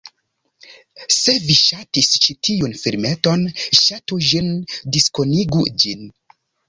Se vi ŝatis ĉi tiun filmeton, ŝatu ĝin, diskonigu ĝin